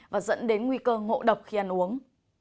và dẫn đến nguy cơ ngộ độc khi ăn uống